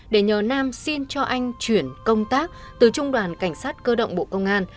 để nhờ nam xin cho anh chuyển công tác từ trung đoàn cảnh sát cơ động bộ công an